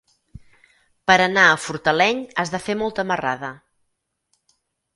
Per anar a Fortaleny has de fer molta marrada.